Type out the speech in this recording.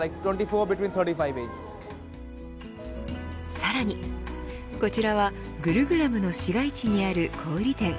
さらに、こちらはグルグラムの市街地にある小売店。